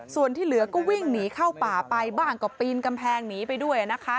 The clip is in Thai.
ส่วนที่เหลือก็วิ่งหนีเข้าป่าไปบ้างก็ปีนกำแพงหนีไปด้วยนะคะ